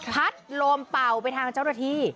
พัดลมเป่าไปทางเจ้าหน้าที่